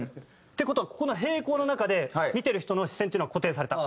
って事はここの平行の中で見てる人の視線っていうのは固定された。